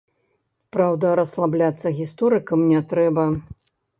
Праўда, расслабляцца гісторыкам не трэба.